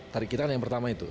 dari kita kan yang pertama itu